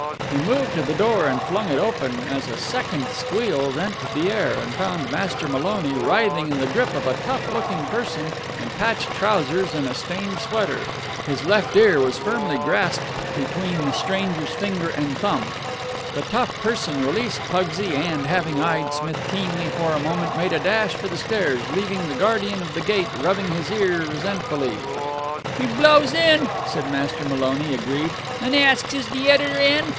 He moved to the door and flung it open as a second squeal rent the air, and found Master Maloney writhing in the grip of a tough looking person in patched trousers and a stained sweater. His left ear was firmly grasped between the stranger's finger and thumb. The tough person released Pugsy, and, having eyed Smith keenly for a moment, made a dash for the stairs, leaving the guardian of the gate rubbing his ear resentfully. "He blows in," said Master Maloney, aggrieved, "an' asks is de editor in.